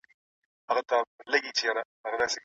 ولي محنتي ځوان د با استعداده کس په پرتله لاره اسانه کوي؟